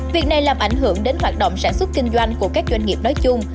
việc này làm ảnh hưởng đến hoạt động sản xuất kinh doanh của các doanh nghiệp nói chung